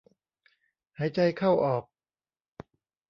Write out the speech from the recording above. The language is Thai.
หายใจเข้าออก